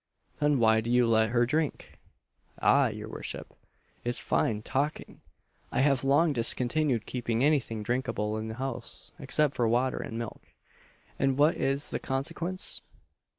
"Then why do you let her drink?" "Ah! your worship, it's fine talking! I have long discontinued keeping anything drinkable in the house, except water and milk, and what is the consequence?